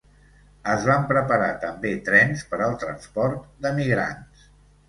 Es van preparar també trens per al transport d'emigrants.